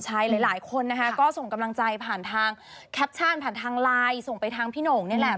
ใช่หลายคนนะคะก็ส่งกำลังใจผ่านทางแคปชั่นผ่านทางไลน์ส่งไปทางพี่โหน่งนี่แหละ